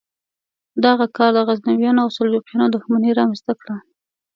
دغه کار د غزنویانو او سلجوقیانو دښمني رامنځته کړه.